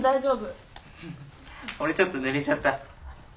「俺ちょっとぬれちゃった」。